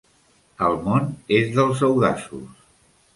El món és dels audaços